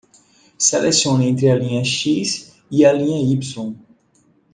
Selecione entre a linha X e a linha Y.